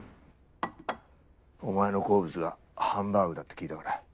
お前の好物がハンバーグだって聞いたから。